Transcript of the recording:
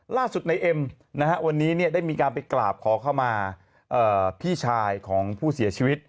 ล่าสุดในเอ็มวันนี้ได้มีการไปกราบขอเข้ามาพี่ชายของผู้เสียชีวิต